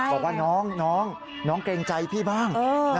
บอกว่าน้องน้องเกรงใจพี่บ้าง